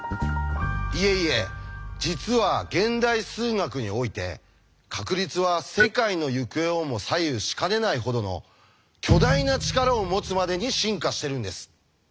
いえいえ実は現代数学において確率は世界の行方をも左右しかねないほどの巨大なチカラを持つまでに進化してるんです。